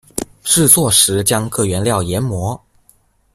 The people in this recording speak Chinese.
制作时将各原料研磨。